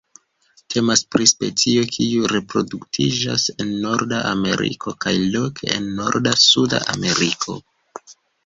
Temas pri specio kiu reproduktiĝas en Norda Ameriko kaj loke en norda Suda Ameriko.